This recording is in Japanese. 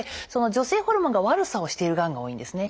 女性ホルモンが悪さをしているがんが多いんですね。